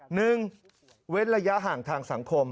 เว้นระยะห่างทางสังคม